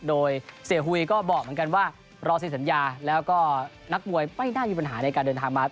โดยเสียหุยก็บอกเหมือนกันว่ารอเซ็นสัญญาแล้วก็นักมวยไม่น่ามีปัญหาในการเดินทางมา